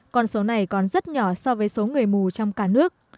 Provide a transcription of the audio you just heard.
con số này còn rất nhỏ so với số người mù trong cả nước